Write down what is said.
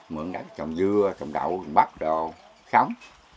mượn đất trồng dưa trồng đậu trồng bắp đồ sống